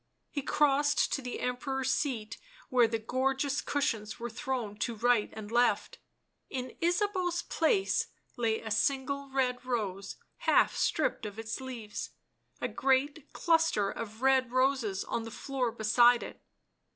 He crossed to the Emperor's seat where the gorgeous cushions were thrown to right and left ; in Ysabeau' s place lay a single red rose, half stripped of its leaves, a great cluster of red roses on the floor beside it.